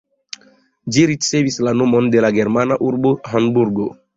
Ĝi ricevis la nomon de la germana urbo Hamburgo.